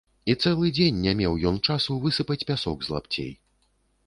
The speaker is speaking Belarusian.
І цэлы дзень не меў ён часу высыпаць пясок з лапцей.